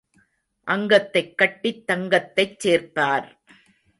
அங்கத்தைக் கட்டித் தங்கத்தைச் சேர்ப்பார்.